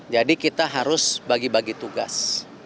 jadi kita harus bagi bagi tugas